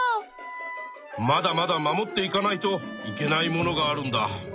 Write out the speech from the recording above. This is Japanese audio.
まだまだ守っていかないといけないものがあるんだ。